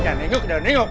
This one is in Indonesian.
jangan nenguk jangan nenguk